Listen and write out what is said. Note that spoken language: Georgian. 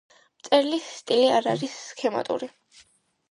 მწერლის სტილი არ არის სქემატური.